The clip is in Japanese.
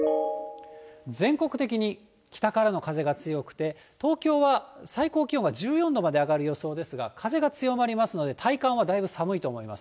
全国的に北からの風が強くて、東京は最高気温は１４度まで上がる予想ですが、風が強まりますので、体感はだいぶ寒いと思います。